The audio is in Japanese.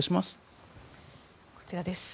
こちらです。